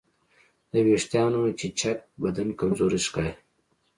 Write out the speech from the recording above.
د وېښتیانو چپچپک بدن کمزوری ښکاري.